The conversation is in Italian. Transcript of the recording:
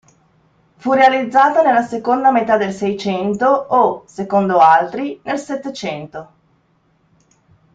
Fu realizzata nella seconda metà del Seicento o, secondo altri, nel Settecento.